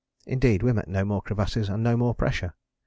Indeed, we met no more crevasses and no more pressure.